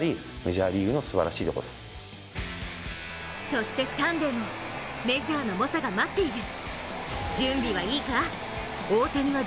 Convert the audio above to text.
そしてサンデーもメジャーの猛者が待っている。